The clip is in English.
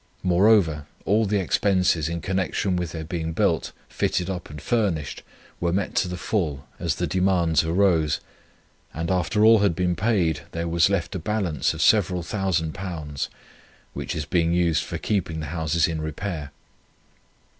Moreover all the expenses in connection with their being built, fitted up and furnished were met to the full, as the demands arose, and, after all had been paid, there was left a balance of several thousand pounds, which is being used for keeping the houses in repair.